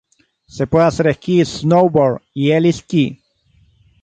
Se puede hacer esquí, snowboard y heli-esquí.